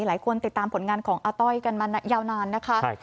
หลายคนติดตามผลงานของอาต้อยกันมายาวนานนะคะ